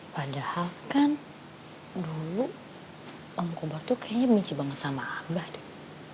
padahal kan dulu om kobartu kayaknya minci banget sama abah deh